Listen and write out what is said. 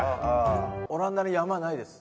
オランダに山ないです。